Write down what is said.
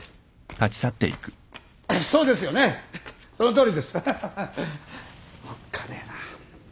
おっかねえな。